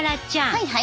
はいはい。